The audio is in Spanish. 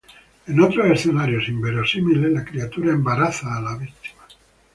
En otros escenarios inverosímiles, la criatura embaraza a la víctima.